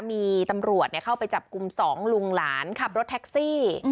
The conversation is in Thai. มีตำรวจเข้าไปจับกลุ่ม๒ลุงหลานขับรถแท็กซี่